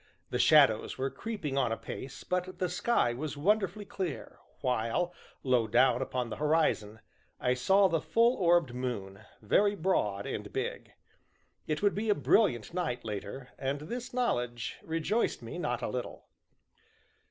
The shadows were creeping on apace, but the sky was wonderfully clear, while, low down upon the horizon, I saw the full orbed moon, very broad and big. It would be a brilliant night later, and this knowledge rejoiced me not a little.